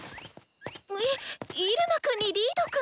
いっイルマくんにリードくん？